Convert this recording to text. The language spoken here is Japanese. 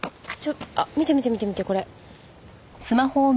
あっ見て見て見て見てこれ。